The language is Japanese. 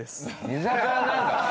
居酒屋なんだ。